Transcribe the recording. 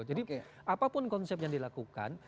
jadi apapun konsep yang dilakukan